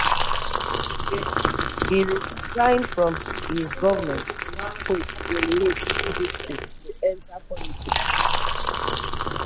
He resigned from his government post in Lakes District to enter politics.